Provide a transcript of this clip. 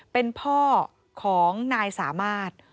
เป็นพ่อของนายสามารถ